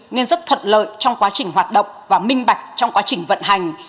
nên rất thuận lợi trong quá trình hoạt động và minh bạch trong quá trình vận hành